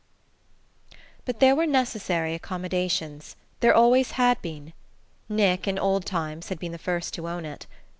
XI. BUT there were necessary accommodations, there always had been; Nick in old times, had been the first to own it....